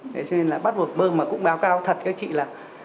đấy cho nên là bắt buộc bơm mà cũng báo cáo thật các chị là